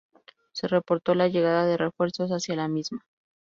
Se reportó la llegada de refuerzos hacia la misma.